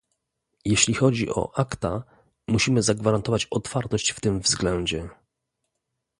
Jeśli chodzi o Acta musimy zagwarantować otwartość w tym względzie